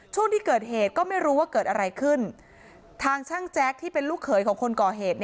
ช่วงที่เกิดเหตุก็ไม่รู้ว่าเกิดอะไรขึ้นทางช่างแจ๊คที่เป็นลูกเขยของคนก่อเหตุ